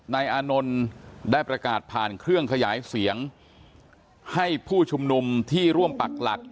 นายอานนท์ได้ประกาศผ่านเครื่องขยายเสียงให้ผู้ชุมนุมที่ร่วมปักหลัก